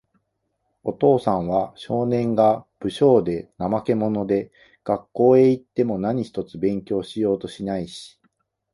お父さんは、少年が、無精で、怠け者で、学校へいっても何一つ勉強しようともしないし、